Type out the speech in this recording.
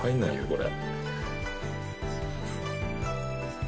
これ。